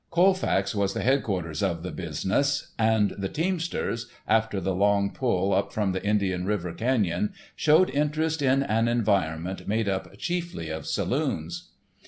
Colfax was the headquarters of the business, and the teamsters—after the long pull up from the Indian River Cañon—showed interest in an environment made up chiefly of saloons.